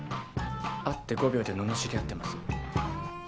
会って５秒で罵り合ってます。